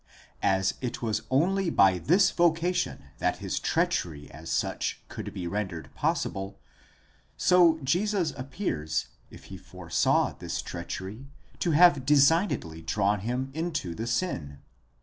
As it was only by this vocation that his treachery as such could be rendered possible; so Jesus appears, if he foresaw this treachery, to have designedly drawn him into the sin.